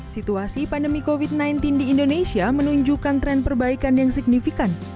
situasi pandemi covid sembilan belas di indonesia menunjukkan tren perbaikan yang signifikan